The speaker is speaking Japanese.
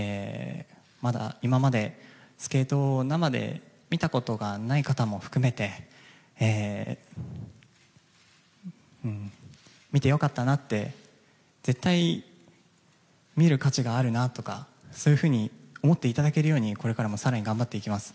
まだ、今までスケートを生で見たことがない方も含めて見て良かったなって絶対、見る価値があるなとかそういうふうに思っていただけるようにこれからも更に頑張っていきます。